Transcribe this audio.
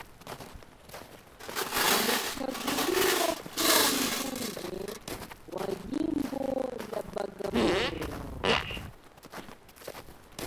alichaguliwa kuwa mbunge wa jimbo la bagamoyo